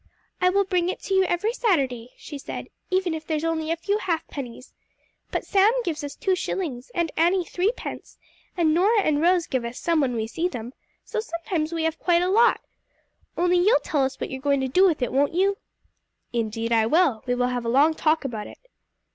"I will bring it to you every Saturday," she said, "even if there's only a few half pennies. But Sam gives us two shillings, and Annie threepence, and Norah and Rose give us some when we see them, so sometimes we have quite a lot. Only you'll tell us what you're going to do with it, won't you?" "Indeed, I will. We will have a long talk about it."